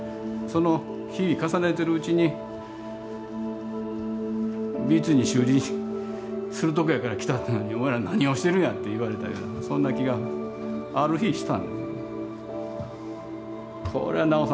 その日重ねてるうちに「美術院に修理するとこやから来たっていうのにお前ら何をしてるんや」って言われたようなそんな気がある日したんですね。